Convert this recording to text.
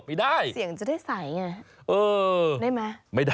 ไม่ได้ใช่ไหมอยากลองเสียงจะได้ใส